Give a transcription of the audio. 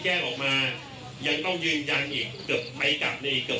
แจ้งออกมายังต้องยืนยันอีกเกือบไม่กลับในอีกเกือบ